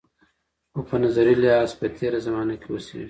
خو په نظري لحاظ په تېره زمانه کې اوسېږي.